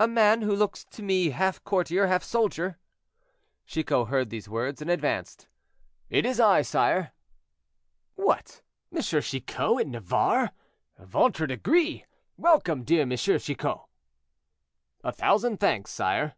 "A man who looks to me half courtier, half soldier." Chicot heard these words, and advanced. "It is I, sire." "What! M. Chicot in Navarre! Ventre St. Gris! welcome, dear M. Chicot!" "A thousand thanks, sire."